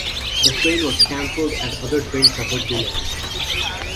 The train was cancelled and other trains suffered delays.